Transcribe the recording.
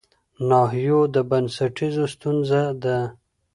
ناحيو د بنسټيزو ستونزو د